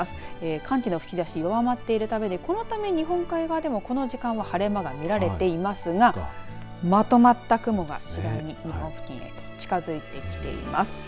寒気の吹き出し弱まっているためこのため日本海側ではこの時間晴れ間が見られていますがまとまった雲が次第に日本付近へと近寄ってきています。